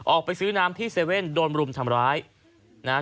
ออกไปซื้อน้ำที่เซเว่นโดนรุมทำร้ายนะฮะ